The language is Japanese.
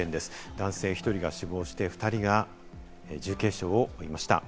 男性１人が死亡し、２人が重軽傷を負いました。